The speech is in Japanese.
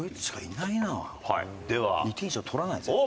２点以上取らない絶対。